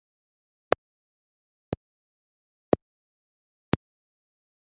yatangajwe nuburyo byari byoroshye gukora.